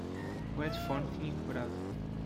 O headphone tinha quebrado